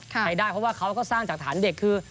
ใช้ได้เพราะว่าเขาก็สร้างจากฐานเด็กคือ